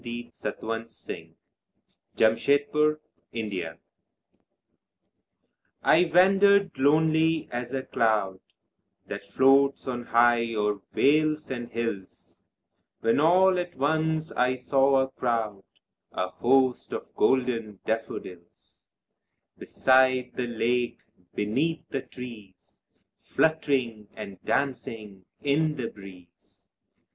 W. WORDSWORTH. 1090. I WANDERED LONELY AS A CLOUD I WANDERED lonely as a cloud That floats on high o'er vales and hills, When all at once I saw a crowd, A host, of golden daffodils ; Beside the lake, beneath the trees, Fluttering and dancing in the breeze.